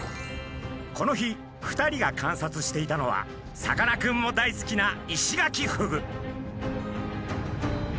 この日２人が観察していたのはさかなクンも大好きなイシガキフグ。